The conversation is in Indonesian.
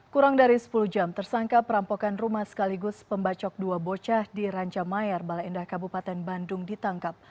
kurang dari sepuluh jam tersangka perampokan rumah sekaligus pembacok dua bocah di ranca mayar bale endah kabupaten bandung ditangkap